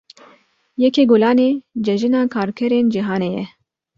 Yekê Gulanê Cejina Karkerên Cîhanê ye.